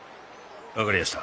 分かりやした。